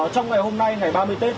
trong ngày hôm nay ngày ba mươi tết